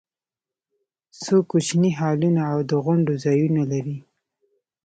څو کوچني هالونه او د غونډو ځایونه لري.